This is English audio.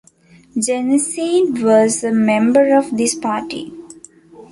Jensen was a member of this party.